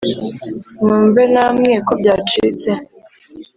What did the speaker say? mwumve namwe ko byacitse